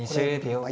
はい。